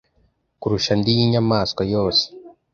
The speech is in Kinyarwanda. kurusha andi y’inyamaswa yose,